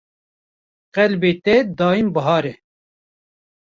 Qelbê te daîm bihar e